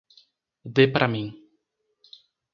Dê para mim